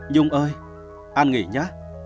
nhung ơi an nghỉ nhé